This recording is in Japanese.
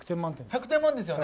１００点満点ですよね。